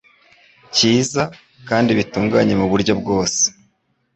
cyiza, kandi batunganye mu buryo bwose